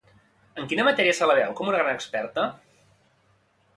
En quina matèria se la veu com una gran experta?